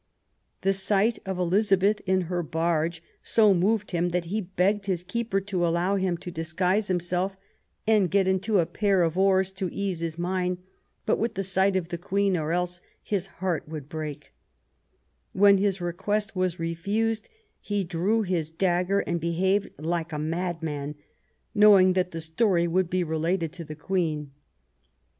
The sight of Elizabeth in her barge so moved him that he begged his keeper to allow him to disguise himself and " get into a pair of oars to ease his mind but with the sight of the Queen, or else his heart would break "* When his request was refused, he drew his dagger and behaved like a madman — knowing that the story would be related to the Queen.